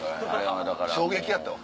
衝撃やったわ。